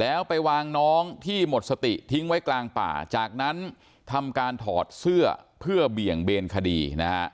แล้วไปวางน้องที่หมดสติทิ้งไว้กลางป่าจากนั้นทำการถอดเสื้อเพื่อเบี่ยงเบนคดีนะฮะ